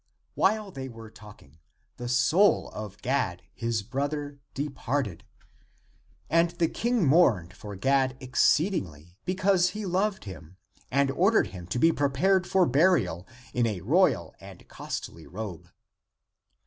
While they were talking, the soul of Gad, his brother, departed, and the King mourned for Gad exceedingly, because he loved him, and or dered him to be prepared for burial in a royal and costly robe.